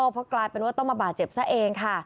เพราะกลายเป็นว่าต้องมาบาดเจ็บซะเองค่ะ